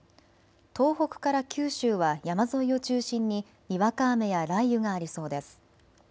東北から九州は山沿いを中心ににわか雨や雷雨がありそうです。